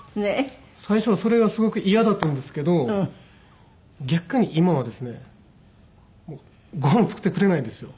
最初はそれがすごく嫌だったんですけど逆に今はですねごはん作ってくれないんですよ。